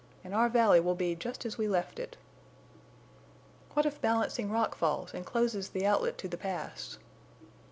And our valley will be just as we left it." "What if Balancing Rock falls and closes the outlet to the Pass?"